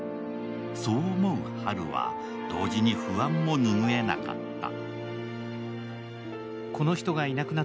そう思う波留は、同時に不安もぬぐえなかった。